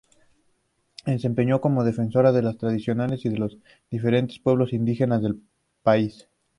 Se desempeñó como defensora de las tradiciones de los diferentes pueblos indígenas del país.